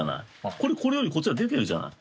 これこれよりこっちが出てるじゃない。